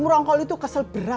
tunggu fb itu